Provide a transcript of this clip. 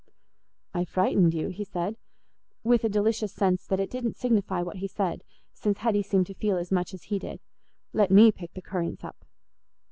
"I frightened you," he said, with a delicious sense that it didn't signify what he said, since Hetty seemed to feel as much as he did; "let me pick the currants up."